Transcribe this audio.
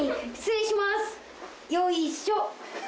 よいしょ。